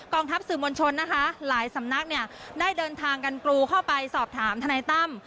ทัพสื่อมวลชนนะคะหลายสำนักเนี่ยได้เดินทางกันกรูเข้าไปสอบถามทนายตั้ม